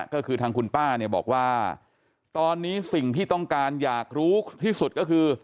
ก็คือทางคุณป้าเนี่ยบอกว่าตอนนี้สิ่งที่ต้องการอยากรู้ที่สุดก็คือ